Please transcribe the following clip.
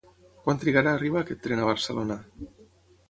Quant trigarà a arribar aquest tren a Barcelona?